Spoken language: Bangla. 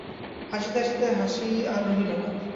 হাসিতে হাসিতে হাসি আর রহিল না।